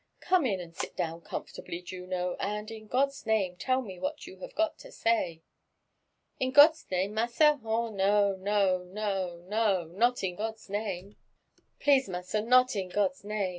''Gome in, and sit down comfortably, Ju^o; and, in fiod's name, tell me what you have got to say." " In God's name, massa?'— No, no, op, po, — not in God's name! —•vro Pleaae, massa, not in God's name